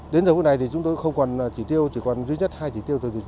đến giờ hôm nay thì chúng tôi không còn chỉ tiêu chỉ còn duy nhất hai chỉ tiêu tàu dịch vụ